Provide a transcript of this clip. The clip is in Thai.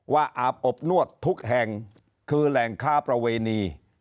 อาบอบนวดทุกแห่งคือแหล่งค้าประเวณี